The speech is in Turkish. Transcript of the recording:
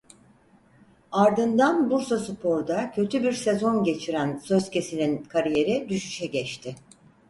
Ardından Bursaspor'da kötü bir sezon geçiren Sözkesen'in kariyeri düşüşe geçti.